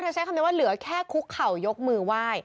ใช้คำนี้ว่าเหลือแค่คุกเข่ายกมือไหว้